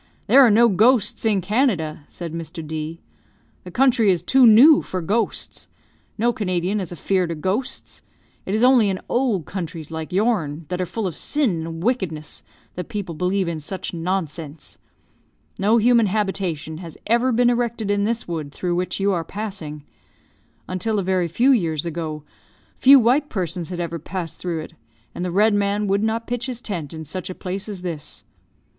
There are no ghosts in Canada!" said Mr. D . "The country is too new for ghosts. No Canadian is afear'd of ghosts. It is only in old countries, like your'n, that are full of sin and wickedness, that people believe in such nonsense. No human habitation has ever been erected in this wood through which you are passing. Until a very few years ago, few white persons had ever passed through it; and the Red Man would not pitch his tent in such a place as this.